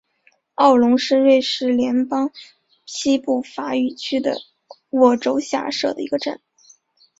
奥龙是瑞士联邦西部法语区的沃州下设的一个镇。